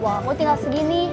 uangmu tinggal segini